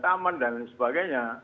taman dan sebagainya